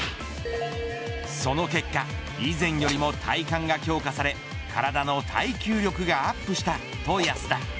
その結果以前よりも体幹が強化され体の耐久力がアップしたと安田。